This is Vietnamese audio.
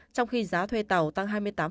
trong khi giá thuê tàu tăng hai mươi tám